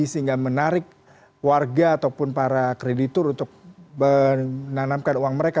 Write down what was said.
sehingga menarik warga ataupun para kreditur untuk menanamkan uang mereka